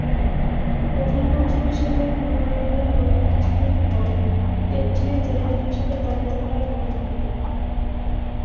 প্রধানমন্ত্রী হিসেবে মনোনয়নের অল্প কিছুদিন পর লেফট্যানেন্ট জেনারেল হিসেবে দায়িত্বভার গ্রহণ করেন।